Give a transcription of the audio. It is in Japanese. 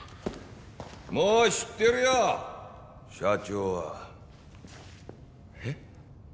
もう知ってるよ社長はえっ？